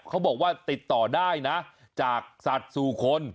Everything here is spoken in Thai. เขาบอกว่าติดต่อได้นะจากสัตว์สู่คน